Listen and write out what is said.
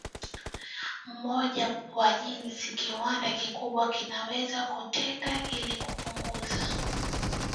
mmoja wa jinsi kiwanda kikubwa kinaweza kutenda ili kupunguza